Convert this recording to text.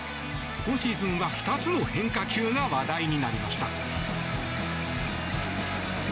今シーズンは２つの変化球が話題になりました。